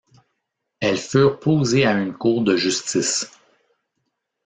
Elles furent posées à une cour de justice.